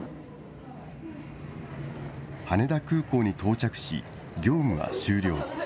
羽田空港に到着し、業務は終了。